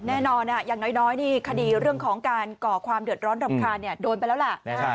แน่นอนอย่างน้อยนี่คดีเรื่องของการก่อความเดือดร้อนรำคาญโดนไปแล้วล่ะ